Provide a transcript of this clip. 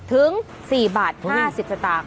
ถึง๔บาท๕๐สตางค์